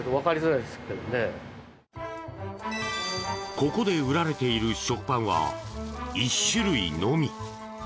ここで売られている食パンは１種類のみ。